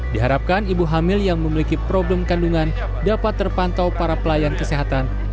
diharapkan ibu hamil yang memiliki problem kandungan dapat terpantau para pelayan kesehatan